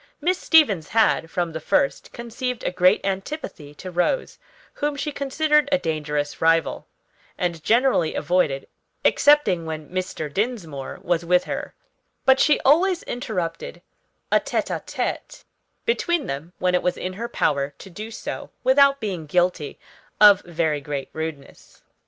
Miss Stevens had, from the first, conceived a great antipathy to Rose, whom she considered a dangerous rival, and generally avoided, excepting when Mr. Dinsmore was with her; but she always interrupted a tête à tête between them when it was in her power to do so without being guilty of very great rudeness.